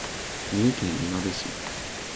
三重県いなべ市